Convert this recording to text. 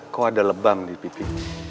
kok ada lebam di pipi